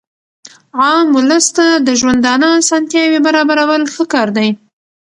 عام اولس ته د ژوندانه اسانتیاوي برابرول ښه کار دئ.